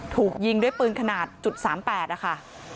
ถูกยิงด้วยปืนขนาด๓๘นะคะ